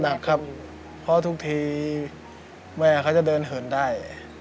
หนักครับเพราะทุกทีแม่เขาจะเดินเหินได้